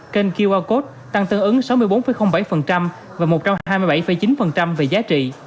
kênh qr code tăng tương ứng sáu mươi bốn bảy và một trăm hai mươi bảy chín về giá trị